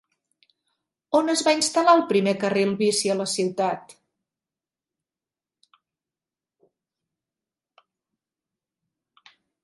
On es va instal·lar el primer carril bici a la ciutat?